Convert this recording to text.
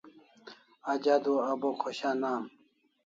Aj adua a Bo khoshan am